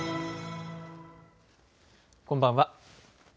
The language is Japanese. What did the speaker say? こんばんは。